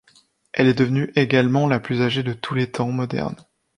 Elle est devenue également la la plus âgée de tous les temps modernes.